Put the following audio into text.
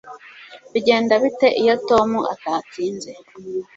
Bigenda bite iyo Tom atatsinze